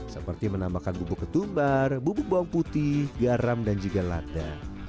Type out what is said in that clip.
seperti menambahkan bubuk ketumbar bubuk bawang putih garam dan juga lada